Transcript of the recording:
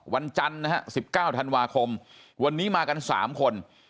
วันจันทร์นะฮะ๑๙ธันวาคมวันนี้มากัน๓คน